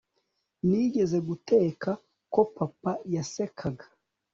nigeze guteka, ko papa yasekaga